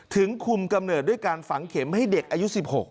ถึงคุมกำเนิดด้วยการฝังเข็มให้เด็กอายุ๑๖